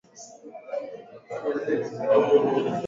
Dalili ya ugonjwa huu katika wanyama waliokufa au mizoga